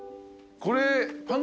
これ。